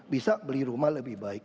bisa beli rumah lebih baik